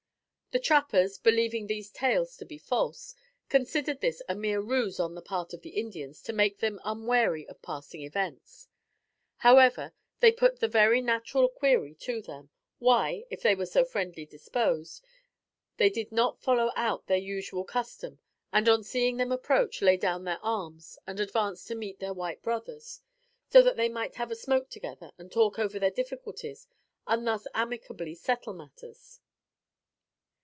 The trappers, believing these tales to be false, considered this a mere ruse on the part of the Indians to make them unwary of passing events. However, they put the very natural query to them, why, if they were so friendly disposed, they did not follow out their usual custom; and, on seeing them approach, lay down their arms and advance to meet their white brothers, so that they might have a smoke together and talk over their difficulties and thus amicably settle matters.